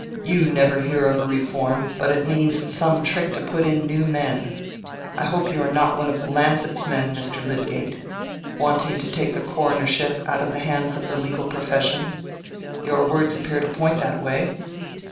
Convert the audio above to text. You never hear of a reform, but it means some trick to put in new men. I hope you are not one of the 'Lancet's' men, Mr. Lydgate—wanting to take the coronership out of the hands of the legal profession: your words appear to point that way."